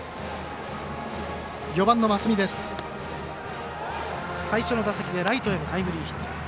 ４番の増見、最初の打席でライトへのタイムリーヒット。